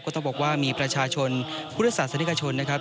ต้องบอกว่ามีประชาชนพุทธศาสนิกชนนะครับ